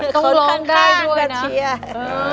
คนข้างก็เชียร์